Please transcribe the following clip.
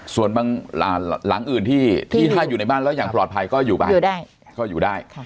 ส่วนบางหลังอื่นที่ถ้าอยู่ในบ้านแล้วอย่างปลอดภัยก็อยู่บ้านก็อยู่ได้